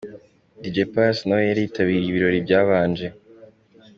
Dj Pius nawe yari yitabiriye ibirori byabanje.